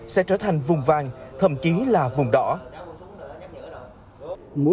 sẽ trở thành vùng vàng thậm chí là vùng đỏ